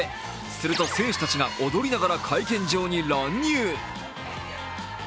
すると選手たちが踊りながら会見場に乱入。